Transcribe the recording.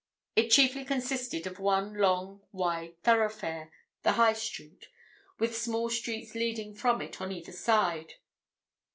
It chiefly consisted of one long, wide thoroughfare—the High Street—with smaller streets leading from it on either side.